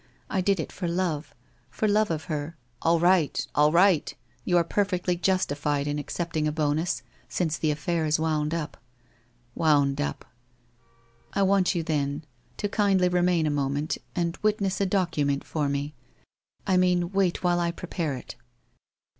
I did it for love — for love of her '* All right. All right ! You are perfectly justified in accepting a bonus, since the affair is wound up. ... Wound up. ... I want you, then, to kindly remain a moment and witness a document for me. I mean wait while I prepare it.'